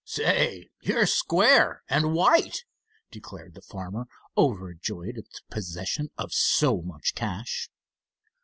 "Say, you're square and white," declared the farmer, overjoyed at the possession of so much cash.